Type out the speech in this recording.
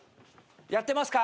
やってますか？